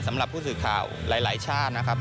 สำหรับผู้สื่อข่าวหลายชาตินะครับ